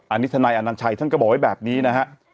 อันนี้ทนายอนัญชัยท่านก็บอกไว้แบบนี้นะฮะ